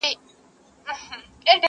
ادبي مجلسونه دا کيسه يادوي تل,